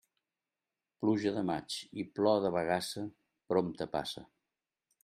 Pluja de maig i plor de bagassa, prompte passa.